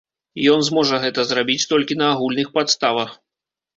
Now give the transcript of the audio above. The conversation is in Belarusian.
Ён зможа гэта зрабіць толькі на агульных падставах.